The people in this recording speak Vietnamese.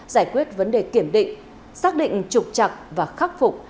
giải quyết vấn đề kiểm định xác định trục chặt và khắc phục